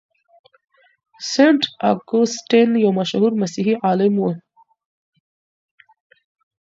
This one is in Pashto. سينټ اګوستين يو مشهور مسيحي عالم و.